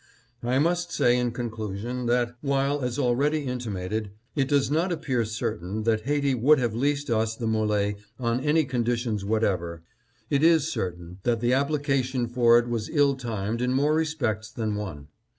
I must say in conclusion that, while, as already inti mated, it does not appear certain that Haiti would have leased us the M61e on any conditions whatever, it is cer tain that the application for it was ill timed in more re spects than one.